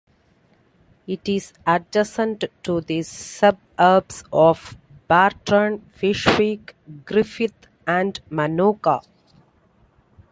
It is adjacent to the suburbs of Barton, Fyshwick, Griffith and Manuka.